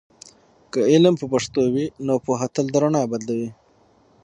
که علم په پښتو وي، نو پوهه تل د رڼا بدلوي.